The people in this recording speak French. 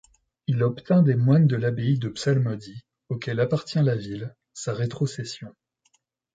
Il obtint des moines de l'abbaye de Psalmody, auxquels appartient la ville, sa rétrocession.